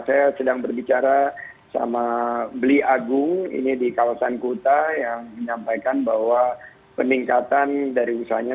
saya sedang berbicara sama beli agung ini di kawasan kuta yang menyampaikan bahwa peningkatan dari usahanya